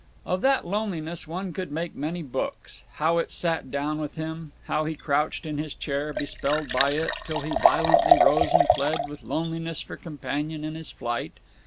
Of that loneliness one could make many books; how it sat down with him; how he crouched in his chair, be spelled by it, till he violently rose and fled, with loneliness for companion in his flight.